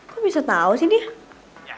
kok bisa tau sih dia